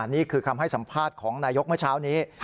นี่คือคำให้สัมภาษณ์ของนายกเมื่อเช้านี้